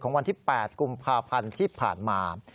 วันที่๘กุมภาพันธ์ที่ผ่านมา